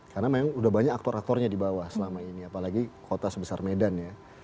karena memang sudah banyak aktor aktornya di bawah selama ini apalagi kota sebesar medan ya